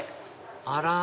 あら！